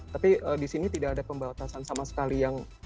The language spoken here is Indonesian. tapi di sini tidak ada pembatasan sama sekali yang